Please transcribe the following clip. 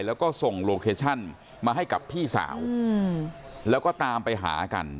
แล้วก็ส่งโลเคชั่นมาให้กับพี่สาวแล้วก็ตามไปหากัน